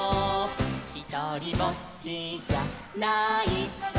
「ひとりぼっちじゃないさ」